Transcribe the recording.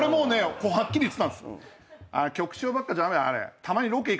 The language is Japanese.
はっきり言ってたんです。